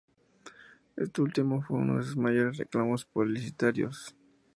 Esto último fue uno de sus mayores reclamos publicitarios.